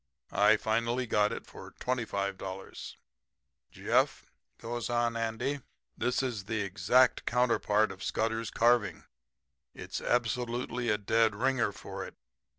I finally got it for $25. "'Jeff,' goes on Andy, 'this is the exact counterpart of Scudder's carving. It's absolutely a dead ringer for it.